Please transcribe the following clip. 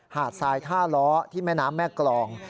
ทรายท่าล้อที่แม่น้ำแม่กรอง